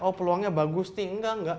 oh ya bagus sih enggak enggak enggak